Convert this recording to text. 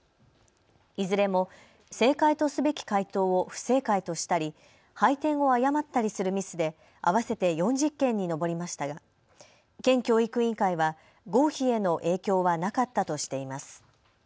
いずれも正解とすべき解答を不正解としたり配点を誤ったりするミスで合わせて４０件に上りましたが県教育委員会は合否への影響はなかったとしています。